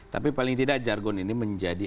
tapi paling tidak jargon ini menjadi